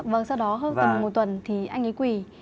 vâng sau đó hơn một tuần thì anh ấy quỳ